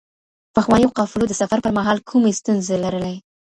پخوانیو قافلو د سفر پر مهال کومې ستونزې لرلې؟